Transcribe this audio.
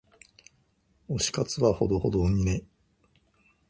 推し活はほどほどにね。